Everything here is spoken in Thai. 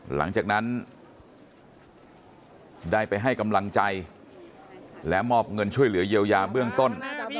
หลังจากนั้นได้ไปให้กำลังใจและมอบเงินช่วยเหลือเยียวยาเบื้องต้น